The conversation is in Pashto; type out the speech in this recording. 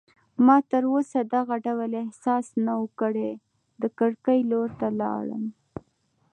ما تراوسه دغه ډول احساس نه و کړی، د کړکۍ لور ته ولاړم.